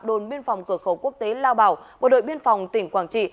đồn biên phòng cửa khẩu quốc tế lao bảo bộ đội biên phòng tỉnh quảng trị